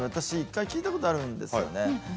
１回聞いたことあるんですよね。